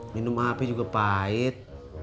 minum hp juga pahit